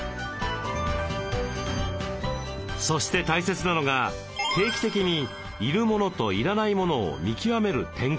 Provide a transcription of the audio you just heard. そして大切なのが定期的に要るモノと要らないモノを見極める点検。